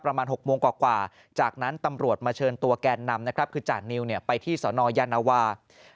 ประมาณ๖โมงกว่าจากนั้นตำรวจมาเชิญตัวแกนนำนะครับคือจานิวไปที่สนยานวา